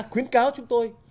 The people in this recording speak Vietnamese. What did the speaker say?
khuyến cáo chúng tôi